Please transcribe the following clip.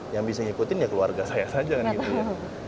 yang bisa ngikutin ya keluarga saya saja kan gitu ya